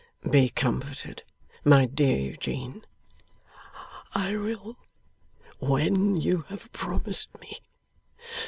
'Be comforted, my dear Eugene.' 'I will, when you have promised me.